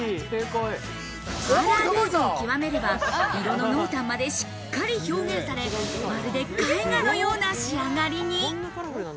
パーラービーズをきわめれば色の濃淡までしっかり表現され、まるで絵画のような仕上がりに。